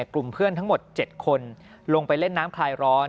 กลุ่มเพื่อนทั้งหมด๗คนลงไปเล่นน้ำคลายร้อน